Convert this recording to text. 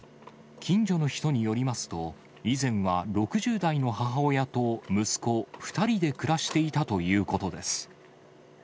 近所の人によりますと、以前は６０代の母親と息子２人で暮らしていたということです。